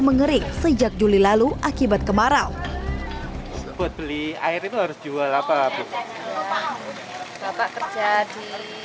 mengering sejak juli lalu akibat kemarau buat beli air itu harus jual apa habis bapak kerja di